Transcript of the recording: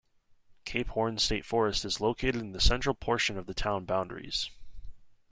Cape Horn State Forest is located in the central portion of the town boundaries.